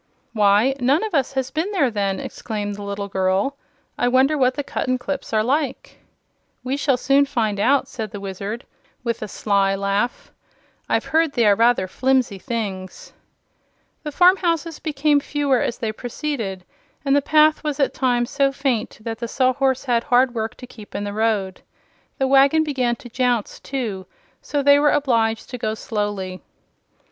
"Why, none of us has been there, then," exclaimed the little girl. "I wonder what the Cuttenclips are like." "We shall soon find out," said the Wizard, with a sly laugh. "I've heard they are rather flimsy things." The farm houses became fewer as they proceeded, and the path was at times so faint that the Sawhorse had hard work to keep in the road. The wagon began to jounce, too; so they were obliged to go slowly.